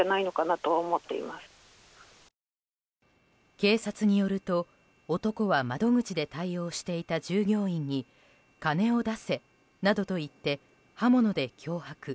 警察によると、男は窓口で対応していた従業員に金を出せなどと言って刃物で脅迫。